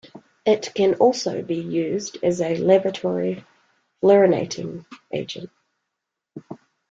It can also be used as a laboratory fluorinating agent.